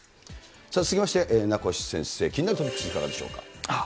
さあ、続きまして、名越先生、気になるトピックス、いかがでし